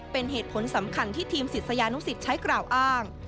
เป็นเหตุผลสำคัญที่ทีมศิษยานุสิตใช้กล่าวอ้าง